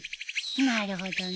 なるほどね。